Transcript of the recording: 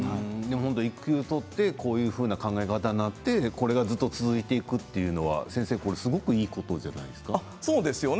育休取ってこの考え方になって、これがずっと続いていくというのはすごくいいことじゃないですか。